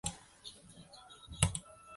这种观点否认了自然选择的可能。